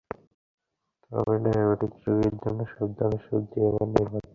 তবে ডায়াবেটিক রোগীর জন্য সব ধরনের সবজি আবার নিরাপদ নয়।